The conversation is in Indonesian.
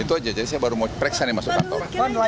itu aja jadi saya baru mau periksa nih masuk kantor